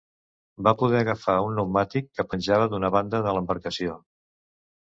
Va poder agafar un pneumàtic que penjava d'una banda de l'embarcació.